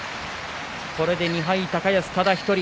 これで２敗は高安ただ１人。